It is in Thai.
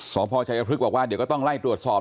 สพชัยพฤกษ์บอกว่าเดี๋ยวก็ต้องไล่ตรวจสอบ